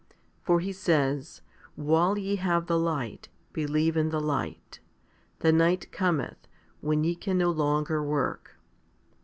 For He says, While ye have the light, believe in the light ; the night cometh, when ye can no longer work.